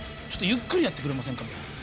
ちょっとゆっくりやってくれませんか。